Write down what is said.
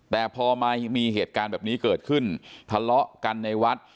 แต่พอมามีเหตุการณ์แบบนี้เกิดขึ้นทะเลาะกันในวัด